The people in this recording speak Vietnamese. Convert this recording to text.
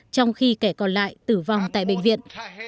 trong khi kẻ còn lại tử vong tại bệnh viện